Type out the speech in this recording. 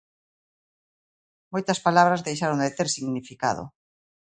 Moitas palabras deixaron de ter significado.